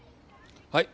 はい。